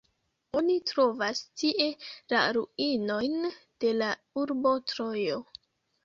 Oni trovas tie la ruinojn de la urbo Trojo.